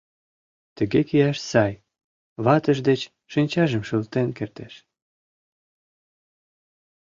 Тыге кияш сай — ватыж деч шинчажым шылтен кертеш.